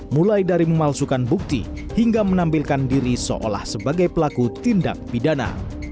mulai dari memalsukan bukti hingga menampilkan diri seolah sebagai pelaku tindak pidana